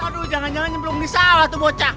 aduh jangan jangan yang belum disalah tuh bocah